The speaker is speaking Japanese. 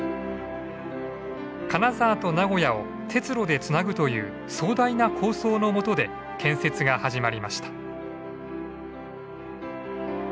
金沢と名古屋を鉄路でつなぐという壮大な構想のもとで建設が始まりました。